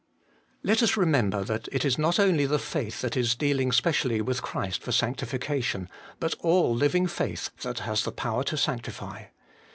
1. Let us remember that It Is not only the faith that is dealing specially with Christ for sanctifi cation, but all liuing faith, that has the power to sanctify.